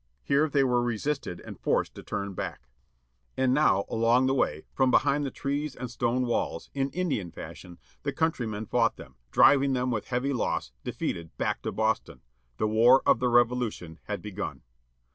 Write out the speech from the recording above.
Here they were resisted and forced: PAUL REVEKE, SPREADING THE ALARM 22 LEXINGTON, APRIL 19, i775 And now along the way, from behind the trees and stone walls, in Indian fashion, the countrymen fought them, driving them with heavy loss, defeated, back to Boston. The war of the Revolution had begun.